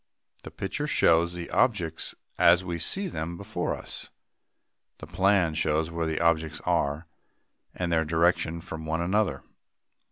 "] The picture shows the objects as we see them before us. The plan shows where the objects are, and their direction from one another.